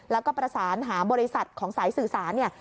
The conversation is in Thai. แล้วก็ประสานหาบริษัทของสายสื่อสารเนี่ย